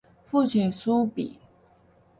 父亲苏玭。